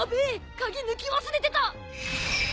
鍵抜き忘れてた！